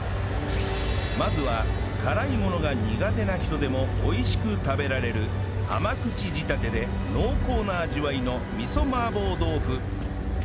まずは辛いものが苦手な人でも美味しく食べられる甘口仕立てで濃厚な味わいの味噌麻婆豆腐